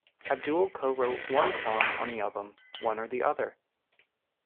Abdul co-wrote one song on the album, "One or the Other".